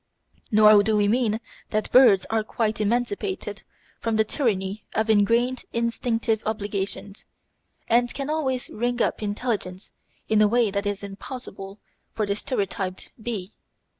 Nor do we mean that birds are quite emancipated from the tyranny of engrained instinctive obligations, and can always "ring up" intelligence in a way that is impossible for the stereotyped bee.